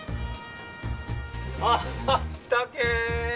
あったけー。